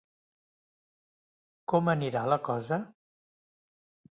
Com anirà la cosa?